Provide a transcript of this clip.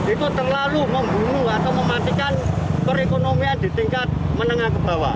itu terlalu membunuh atau mematikan perekonomian di tingkat menengah ke bawah